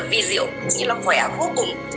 rất là vi diệu như là khỏe khô cùng